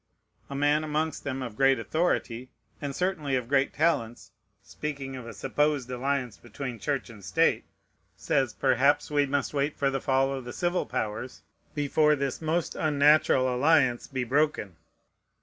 A man amongst them of great authority, and certainly of great talents, speaking of a supposed alliance between Church and State, says, "Perhaps we must wait for the fall of the civil powers, before this most unnatural alliance be broken.